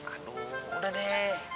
aduh udah deh